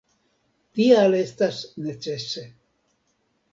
Tial estas necese.